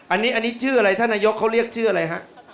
อันนี้ชื่ออะไรท่านนายกเขาเรียกชื่ออะไรฮะ